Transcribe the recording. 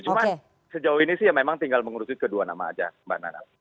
cuman sejauh ini sih ya memang tinggal mengurusin kedua nama aja mbak nana